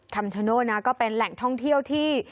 คำชโนธนะก็เป็นแหล่งท่องเที่ยวที่